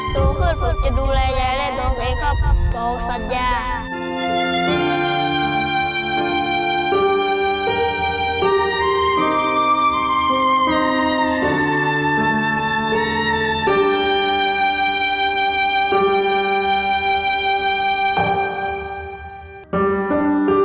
ดูขึ้นผมจะดูแลใยเร็วน้องเอกครับโปรดสัญญา